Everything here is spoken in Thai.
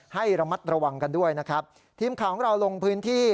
ให้ระมัดระวังกันด้วยนะครับทีมข่าวของเราลงพื้นที่